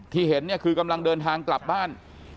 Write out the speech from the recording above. ที่เห็นคือกำลังเดินทางกลับบ้าน